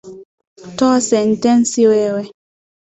Toa sentensi wewe